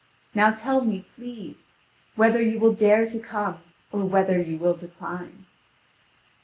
Now tell me, please, whether you will dare to come, or whether you will decline."